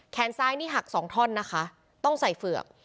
แขนซ้ายหัก๒ท่อนนะคะต้องใส่เฝือก